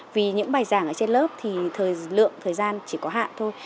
vì những bài giảng ở trên lớp thì thời lượng thời gian chỉ có một phần